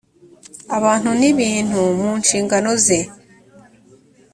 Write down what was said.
abantu n ibintu mu nshingano ze